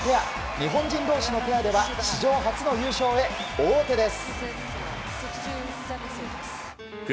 日本人同士のペアでは史上初の優勝へ王手です。